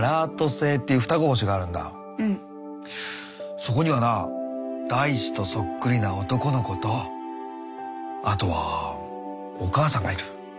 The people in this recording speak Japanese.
そこにはな大志とそっくりな男の子とあとはお母さんがいる。